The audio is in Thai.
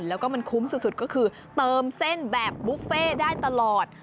แล้วก็มันคุ้มสุดก็คือเติมเส้นแบบบุฟเฟ่ได้ตลอด